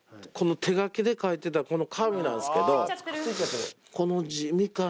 この手書きで書いてたこの紙なんすけどこの字。